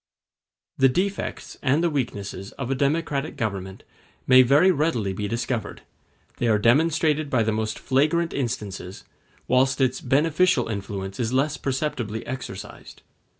The defects and the weaknesses of a democratic government may very readily be discovered; they are demonstrated by the most flagrant instances, whilst its beneficial influence is less perceptibly exercised.